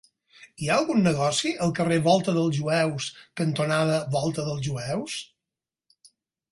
Hi ha algun negoci al carrer Volta dels Jueus cantonada Volta dels Jueus?